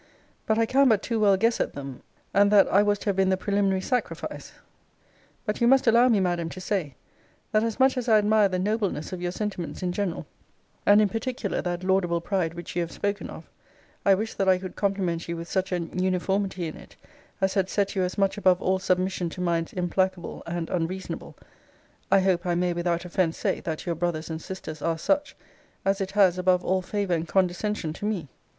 But I can but too well guess at them; and that I was to have been the preliminary sacrifice. But you must allow me, Madam, to say, That as much as I admire the nobleness of your sentiments in general, and in particular that laudable pride which you have spoken of, I wish that I could compliment you with such an uniformity in it, as had set you as much above all submission to minds implacable and unreasonable, (I hope I may, without offence, say, that your brother's and sister's are such,) as it has above all favour and condescension to me.